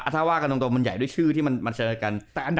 ถ้าว่ากันตรงมันใหญ่ด้วยชื่อที่มันเจอกัน